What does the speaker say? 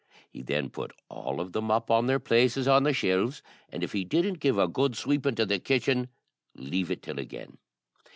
He then put all of them up on their places on the shelves; and if he didn't give a good sweepin' to the kitchen, leave it till again.